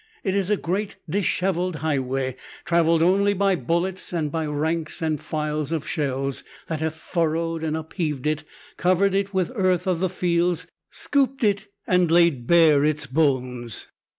It is a great disheveled highway, traveled only by bullets and by ranks and files of shells, that have furrowed and upheaved it, covered it with the earth of the fields, scooped it and laid bare its bones.